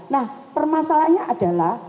nah permasalahnya adalah